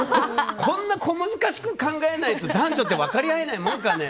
こんな小難しく考えないと男女って分かり合えないものかね？